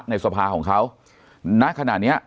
ในสภาของเขาณขณะเนี้ย